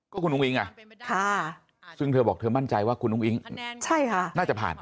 ก็คุณอุ้งซึ่งเธอบอกเธอมั่นใจว่าคุณอุ้งอิงน่าจะผ่าน